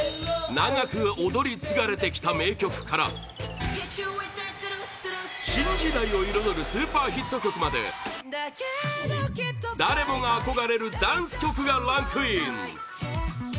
長く踊り継がれてきた名曲から新時代を彩るスーパーヒット曲まで誰もが憧れるダンス曲がランクイン